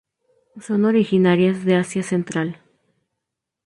Son originarias de Asia Central.